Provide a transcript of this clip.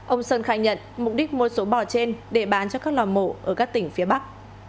ông sơn khai nhận mục đích mua số bò trên để bán cho các lò mổ ở các tỉnh phía bắc